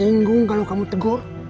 tersinggung kalau kamu tegur